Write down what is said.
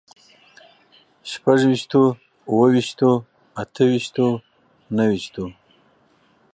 شپږ ويشتو، اووه ويشتو، اته ويشتو، نهه ويشتو